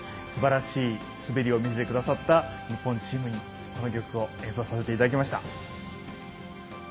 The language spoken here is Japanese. すばらしい滑りを見せてくださった日本チームにこの曲を演奏させていただきました。